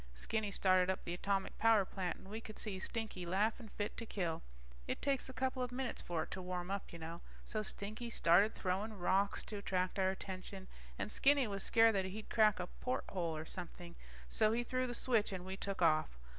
Skinny started up the atomic power plant, and we could see Stinky laughing fit to kill. It takes a couple of minutes for it to warm up, you know. So Stinky started throwing rocks to attract our attention, and Skinny was scared that he'd crack a porthole or something, so he threw the switch and we took off.